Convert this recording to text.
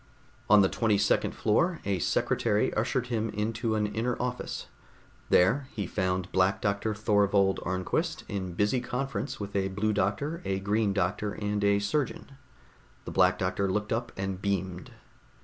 On the twenty second floor, a secretary ushered him into an inner office. There he found Black Doctor Thorvold Arnquist, in busy conference with a Blue Doctor, a Green Doctor and a surgeon. The Black Doctor looked up, and beamed.